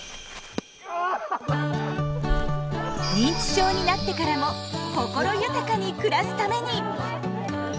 認知症になってからも心豊かに暮らすために！